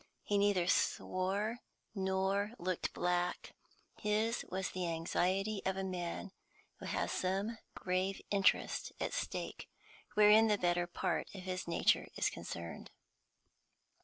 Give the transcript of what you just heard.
He neither swore nor looked black; his was the anxiety of a man who has some grave interest at stake wherein the better part of his nature is concerned.